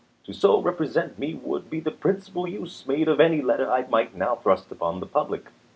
To so represent me would be the principal use made of any letter I might now thrust upon the public.